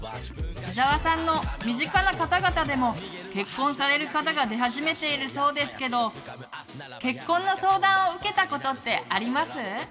伊沢さんの身近な方々でも結婚される方が出始めているそうですけど結婚の相談を受けたことってあります？